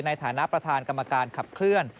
ในฐานะประธานกรรมการขับเคลื่อน